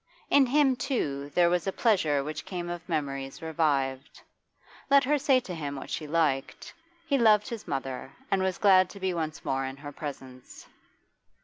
In him, too, there was a pleasure which came of memories revived. Let her say to him what she liked, he loved his mother and was glad to be once more in her presence.